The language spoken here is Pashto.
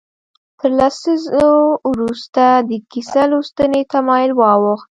تر لسیزو وروسته د کیسه لوستنې تمایل واوښت.